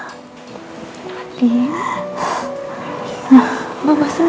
alhamdulillah hai sayang